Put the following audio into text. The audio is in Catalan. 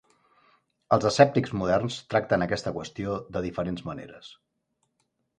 Els escèptics moderns tracten aquesta qüestió de diferents maneres.